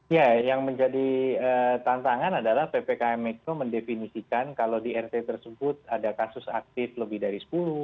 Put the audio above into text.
ya yang menjadi tantangan adalah ppkm mikro mendefinisikan kalau di rt tersebut ada kasus aktif lebih dari sepuluh